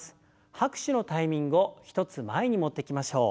拍手のタイミングを１つ前に持ってきましょう。